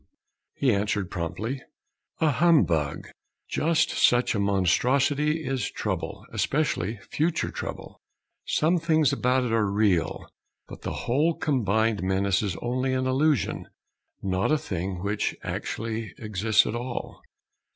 He answered promptly, "A humbug." Just such a monstrosity is trouble especially future trouble. Some things about it are real, but the whole combined menace is only an illusion, not a thing which actually exists at all.